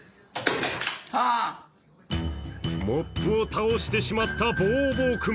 モップを倒してしまったボーボー君。